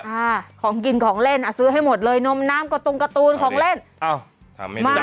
อ่าของกินของเล่นอ่ะซื้อให้หมดเลยนมน้ำกระตูนของเล่นเอาทำให้ดู